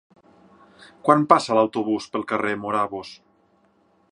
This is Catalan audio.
Quan passa l'autobús pel carrer Morabos?